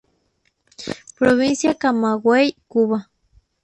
Provincia Camagüey, Cuba.